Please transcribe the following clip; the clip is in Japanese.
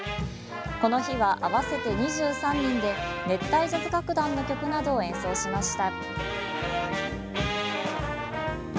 この日は合わせて２３人で熱帯ＪＡＺＺ楽団の曲などを演奏しました。